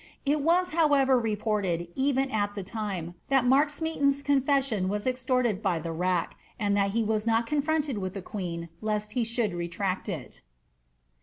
It was however reported, even at the time, that Mark Smeaton^s confession was extorted by the rack,' and that he was not confronted with the queen, lest he should retract it.